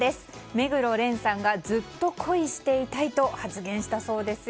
目黒蓮さんがずっと恋していたいと発言したそうですよ。